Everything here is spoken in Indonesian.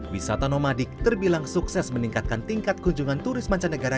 wisata nomadik terbilang sukses meningkatkan tingkat kunjungan turis mancanegara